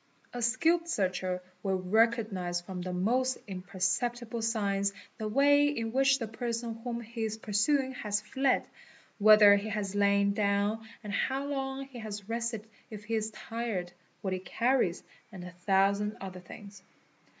A skilled searcher will recognise from the mos imperceptible signs the way in which the person whom he is pursuing has fled, whether he has lain down and how long he has rested if he ii tired, what he carries and a thousand other things.